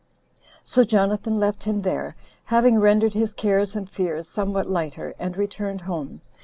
So Jonathan left him there, having rendered his cares and fears somewhat lighter, and returned home.